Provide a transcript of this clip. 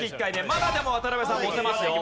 まだでも渡辺さんも押せますよ。